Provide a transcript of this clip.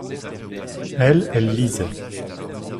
Elle, elle lisait.